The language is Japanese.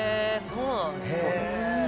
そうなんですね。